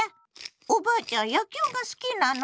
「おばあちゃん野球が好きなの？」